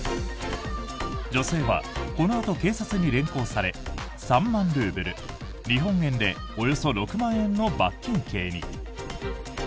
女性は、このあと警察に連行され３万ルーブル日本円でおよそ６万円の罰金刑に。